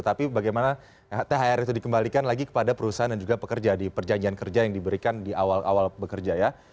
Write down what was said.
tapi bagaimana thr itu dikembalikan lagi kepada perusahaan dan juga pekerja di perjanjian kerja yang diberikan di awal awal bekerja ya